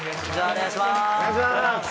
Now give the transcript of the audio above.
お願いします。